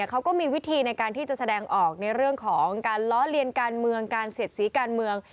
เขาก็มีวิธีในการที่จะแสดงออกในเรื่องของการล้อเลียนการเมืองการเสียดสีการเมือง